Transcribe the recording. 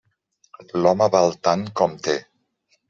L'home val tant com té.